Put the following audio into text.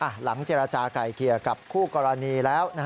หลังเจรจาไก่เกลี่ยกับคู่กรณีแล้ว